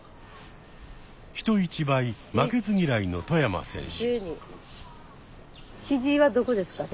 人一倍負けず嫌いの外山選手。